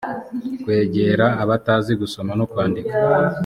kwegera abatazi gusoma no kwandika